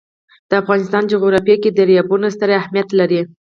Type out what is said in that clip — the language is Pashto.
د افغانستان جغرافیه کې دریابونه ستر اهمیت لري.